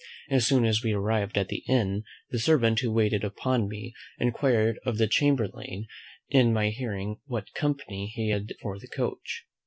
As soon as we arrived at the inn, the servant, who waited upon me, enquired of the chamberlain in my hearing what company he had for the coach?